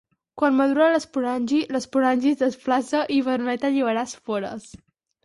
Quan madura l'esporangi, l'esporangi es desplaça i permet alliberar espores.